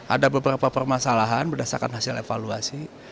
ada beberapa permasalahan berdasarkan hasil evaluasi